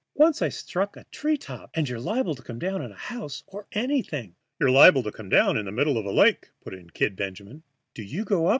Once I struck in a treetop. And you're liable to come down on houses or anything." "You're liable to come down in the middle of a lake," put in "Kid" Benjamin. "Do you go up?"